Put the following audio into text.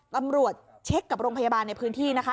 ตำรวจเช็คกับโรงพยาบาลในพื้นที่นะคะ